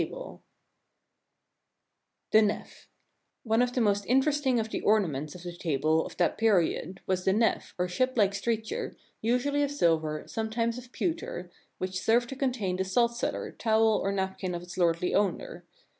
The The Nef ONE of the most interesting of the ornaments of the table of that period was the Nef, of shiplike structure, usually of silver, sometimes of pewter, which served to contain the salt cellar, towel, or napkin of its lordly owner.